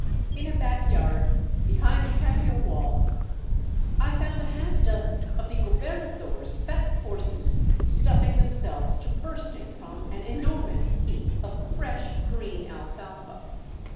In a back yard, behind the patio wall, I found a half dozen of the gobernador's fat horses stuffing themselves to burst ing from an enormous heap of fresh, green alfalfa